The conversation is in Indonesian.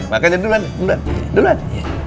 makanya duluan duluan duluan